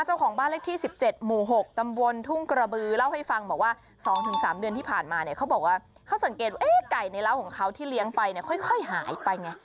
เจ้าของบ้านเลขที่๑๗หมู่๖ตำบลทุ่งกระบือเล่าให้ฟังบอกว่า๒๓เดือนที่ผ่านมาเนี่ยเขาบอกว่าเขาสังเกตว่าไก่ในร้าวของเขาที่เลี้ยงไปเนี่ยค่อยหายไปไง